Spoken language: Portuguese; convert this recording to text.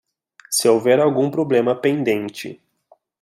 Se houver algum problema pendente